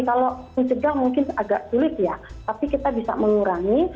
kalau mencegah mungkin agak sulit ya tapi kita bisa mengurangi